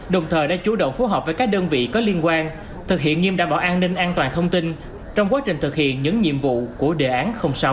đồng thời đã chủ động phối hợp với các đơn vị có liên quan thực hiện nghiêm đảm bảo an ninh an toàn thông tin trong quá trình thực hiện những nhiệm vụ của đề án sáu